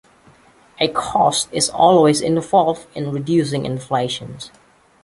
A cost is always involved in reducing inflation.